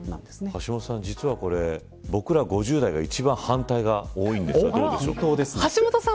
橋下さん実はこれ、僕ら５０代が実は一番反対が多いんですがどうでしょう。